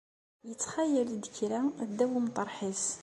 Ittxayal-d kra ddaw umeṭreḥ-is.